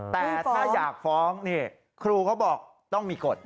แต่ถ้าอยากฟ้องนี่ครูเขาบอกต้องมีกฎ